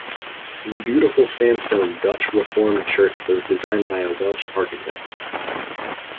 The beautiful sandstone Dutch Reformed church was designed by a Welsh architect.